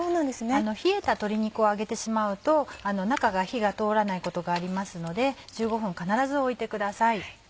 冷えた鶏肉を揚げてしまうと中が火が通らないことがありますので１５分必ず置いてください。